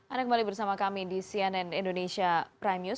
anda kembali bersama kami di cnn indonesia prime news